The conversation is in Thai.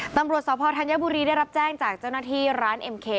ตำรวจสพธัญบุรีได้รับแจ้งจากเจ้าหน้าที่ร้านเอ็มเค